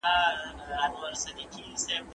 ناکامۍ څخه مه وېرېږئ.